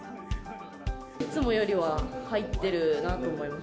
いつもよりは入ってるなと思います。